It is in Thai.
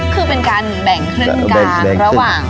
คือเป็นการแบ่งครึ่งกลาง